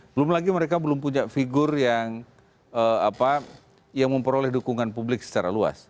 belum lagi mereka belum punya figur yang memperoleh dukungan publik secara luas